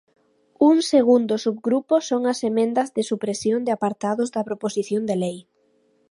Un segundo subgrupo son as emendas de supresión de apartados da proposición de lei.